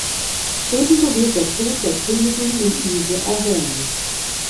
Ebenso wird der Tod der Königin Luise erwähnt.